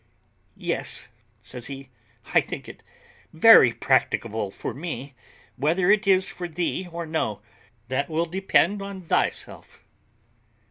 "Yes," says he, "I think it very practicable for me; whether it is for thee or no, that will depend upon thyself."